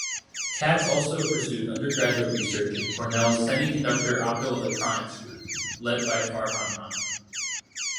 Kats also pursued undergraduate research in Cornell’s Semiconductor Optoelectronics Group led by Farhan Rana.